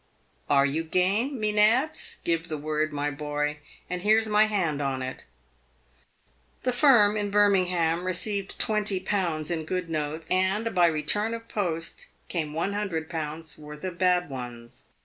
Are you game, me nabs ? Give the word, my boy, and here's my hand on it." The firm in Birmingham received twenty pounds in good notes, and by return of post came one hundred pounds' worth of bad ones.